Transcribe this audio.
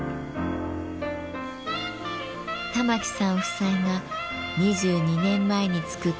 玉城さん夫妻が２２年前に造った登り窯。